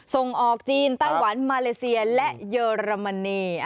ส่งออกจีนไต้หวันมาเลเซียและเยอรมนี